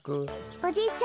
おじいちゃん